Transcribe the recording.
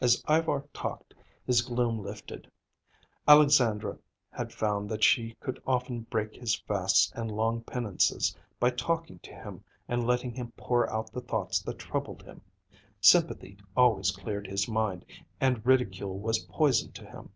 As Ivar talked, his gloom lifted. Alexandra had found that she could often break his fasts and long penances by talking to him and letting him pour out the thoughts that troubled him. Sympathy always cleared his mind, and ridicule was poison to him.